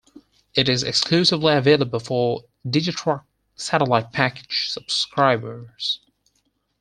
It is exclusively available for Digiturk satellite package subscribers.